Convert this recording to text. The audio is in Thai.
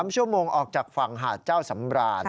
๓ชั่วโมงออกจากฝั่งหาดเจ้าสำราญ